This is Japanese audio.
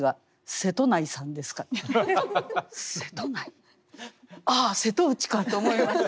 瀬戸内ああ瀬戸内かと思いました。